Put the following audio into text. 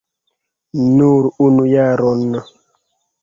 Nur unu jaron!